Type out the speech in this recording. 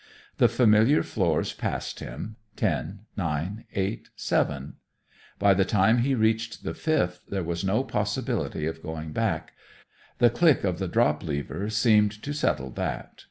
The familiar floors passed him, ten, nine, eight, seven. By the time he reached the fifth, there was no possibility of going back; the click of the drop lever seemed to settle that.